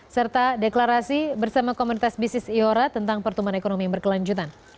serta deklarasi bersama komunitas bisnis iora tentang pertumbuhan ekonomi yang berkelanjutan